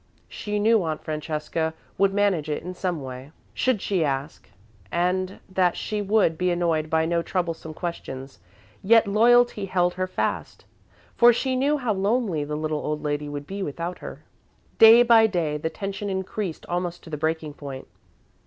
She knew Aunt Francesca would manage it, in some way, should she ask, and that she would be annoyed by no troublesome questions, yet loyalty held her fast, for she knew how lonely the little old lady would be without her. Day by day, the tension increased almost to the breaking point.